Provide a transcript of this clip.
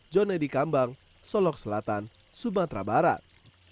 jone di kambang solok selatan sumatera barat